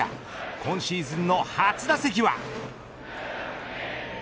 今シーズンの初打席は。